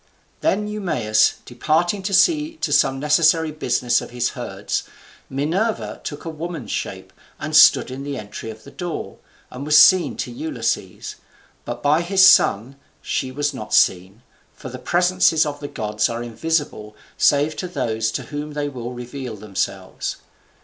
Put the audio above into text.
Then Eumaeus departing to see to some necessary business of his herds, Minerva took a woman's shape, and stood in the entry of the door, and was seen to Ulysses, but by his son she was not seen, for the presences of the gods are invisible save to those to whom they will to reveal themselves.